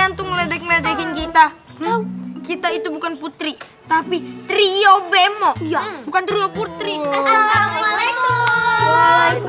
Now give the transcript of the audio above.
yang tuh meledek meledekin kita kita itu bukan putri tapi trio bemo bukan terima putri assalamualaikum